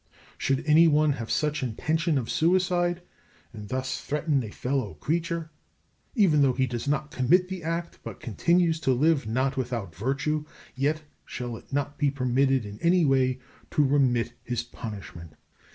Should any one have such intention of suicide and thus threaten a fellow creature, even though he does not commit the act but continues to live not without virtue, yet shall it not be permitted in any way to remit his punishment.